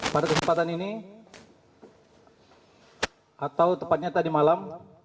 pada kesempatan ini atau tepatnya tadi malam